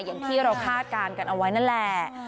อย่างที่เราคาดการณ์กันเอาไว้นั่นแหละ